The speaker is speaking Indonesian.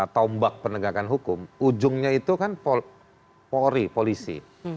tombak penegakan hukum ujungnya itu kan polri polisi